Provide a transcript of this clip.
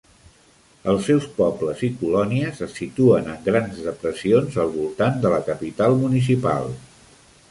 Els seus pobles i colònies es situen en grans depressions al voltant de la capital municipal.